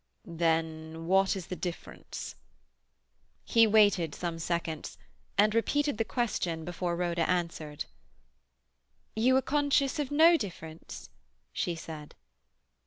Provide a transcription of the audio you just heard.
"Then what is the difference?" He waited some seconds, and repeated the question before Rhoda answered. "You are conscious of no difference?" she said.